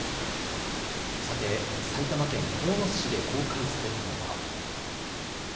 埼玉県鴻巣市で公開されたのは。